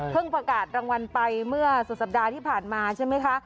ประกาศรางวัลไปเมื่อสุดสัปดาห์ที่ผ่านมาใช่ไหมคะ